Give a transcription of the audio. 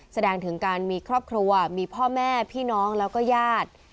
แสดงถึงการมีครอบครัวมีพ่อแม่พี่น้องแล้วก็ญาติ